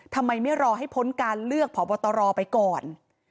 ทำไมไม่รอให้พ้นการเลือกผอบตรไปก่อน